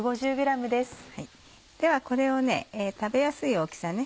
ではこれを食べやすい大きさね。